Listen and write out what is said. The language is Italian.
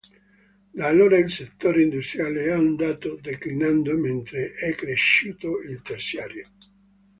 Da allora il settore industriale è andato declinando mentre è cresciuto il terziario.